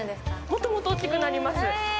もっともっと大きくなります。